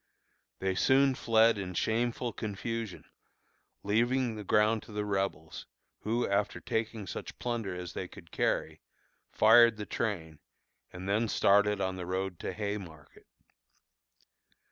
They soon fled in shameful confusion, leaving the ground to the Rebels, who, after taking such plunder as they could carry, fired the train, and then started on the road to Haymarket.